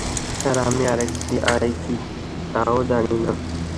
Sir, আমি RTI কী তাও জানি না।